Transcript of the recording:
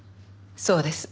そうです。